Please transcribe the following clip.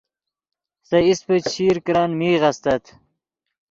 سے ایسپے چشیر کرن میغ استت